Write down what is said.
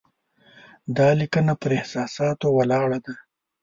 دا لیکنه پر احساساتو ولاړه ده.